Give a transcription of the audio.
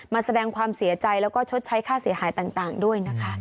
มาแสดงความเสียใจแล้วก็ชดใช้ค่าเสียหายต่างด้วยนะคะ